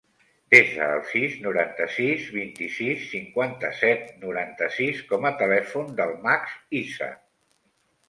Desa el sis, noranta-sis, vint-i-sis, cinquanta-set, noranta-sis com a telèfon del Max Iza.